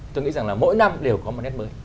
tôi nghĩ rằng là mỗi năm đều có một nét mới